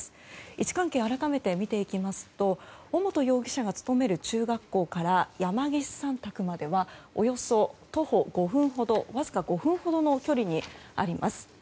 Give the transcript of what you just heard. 位置関係を改めて見ていきますと尾本容疑者が勤める中学校から山岸さん宅まではおよそわずか徒歩５分ほどの距離にあります。